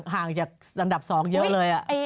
ห่างจากอันดับ๒เยอะเลย